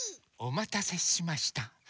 おまたせしました。